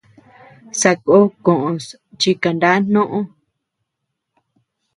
Sakó kos chi kana noʼo.